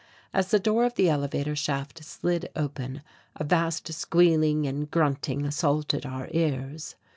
As the door of the elevator shaft slid open, a vast squealing and grunting assaulted our ears.